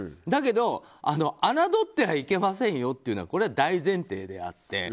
だけど、侮ってはいけませんよっていうのはこれは大前提であって。